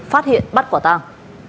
phát hiện bắt quả tàng